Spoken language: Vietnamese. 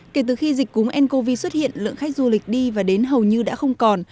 kể từ khi dịch cúm ncov xuất hiện lượng khách du lịch đi và đến hầu như đã không còn